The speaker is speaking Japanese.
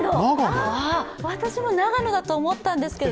私も長野だと思ったんですけど。